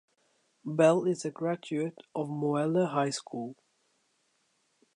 Bell is a graduate of Moeller High School.